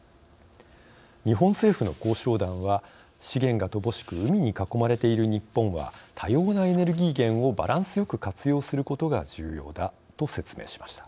日本政府の交渉団は資源が乏しく海に囲まれている日本は多様なエネルギー源をバランスよく活用することが重要だと説明しました。